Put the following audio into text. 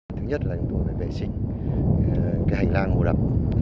thứ nhất là chúng tôi phải vệ sinh hành lang hồ đập